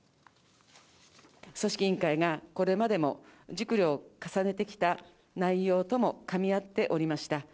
組織委員会が、これまでも熟慮を重ねてきた内容ともかみ合っておりました。